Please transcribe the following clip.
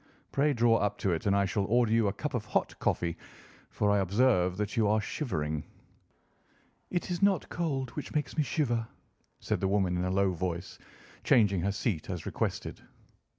Pray draw up to it, and I shall order you a cup of hot coffee, for I observe that you are shivering." "It is not cold which makes me shiver," said the woman in a low voice, changing her seat as requested.